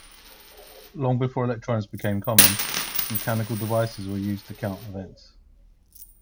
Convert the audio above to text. Long before electronics became common, mechanical devices were used to count events.